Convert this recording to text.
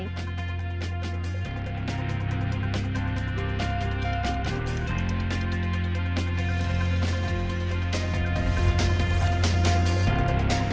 di kcn indonesia insiders